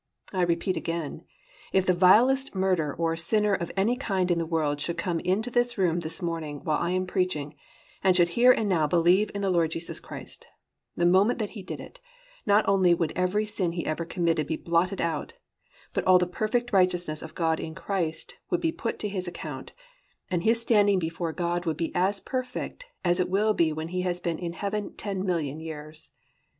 I repeat again, if the vilest murderer or sinner of any kind in the world should come into this room this morning while I am preaching and should here and now believe in the Lord Jesus Christ, the moment that he did it, not only would every sin he ever committed be blotted out, but all the perfect righteousness of God in Christ would be put to his account, and his standing before God would be as perfect as it will be when he has been in heaven ten million years.